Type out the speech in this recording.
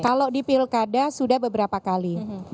kalau di pilkada sudah beberapa kali